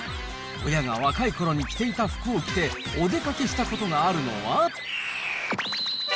親が若いころに着ていた服を着てお出かけしたことがあるのは。